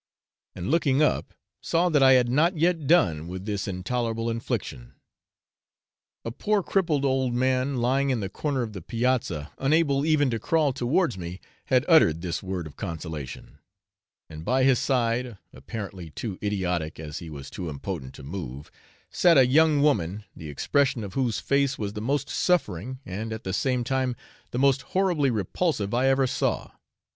and looking up, saw that I had not yet done with this intolerable infliction. A poor crippled old man, lying in the corner of the piazza, unable even to crawl towards me, had uttered this word of consolation, and by his side (apparently too idiotic, as he was too impotent, to move,) sat a young woman, the expression of whose face was the most suffering and at the same time the most horribly repulsive I ever saw.